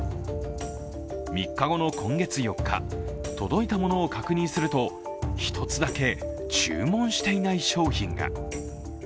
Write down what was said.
３日後の今月４日、届いたものを確認すると１つだけ注文していない商品が。